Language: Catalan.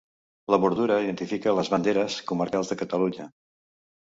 La bordura identifica les banderes comarcals de Catalunya.